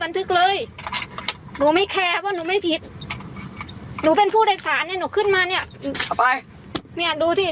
หนูขึ้นมาเนี่ยเอาไปเนี่ยดูที่ดูมันทำเนี่ยเนี่ย